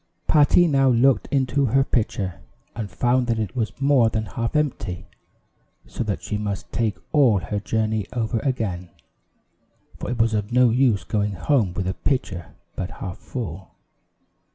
Patty now looked into her pitcher and found that it was more than half empty, so that she must take all her journey over again; for it was of no use going home with a pitcher but half full.